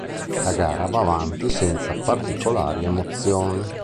La gara va avanti senza particolari emozioni.